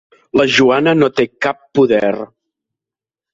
La Joana no té cap poder.